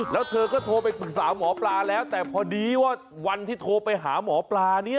แล้วเธอก็โทรไปปรึกษาหมอปลาแล้วแต่พอดีว่าวันที่โทรไปหาหมอปลาเนี่ย